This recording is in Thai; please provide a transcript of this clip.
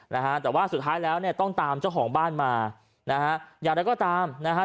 นะฮะแต่ว่าสุดท้ายแล้วเนี่ยต้องตามเจ้าของบ้านมานะฮะอย่างไรก็ตามนะฮะ